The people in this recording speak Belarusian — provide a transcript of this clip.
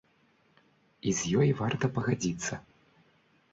І з ёй варта пагадзіцца.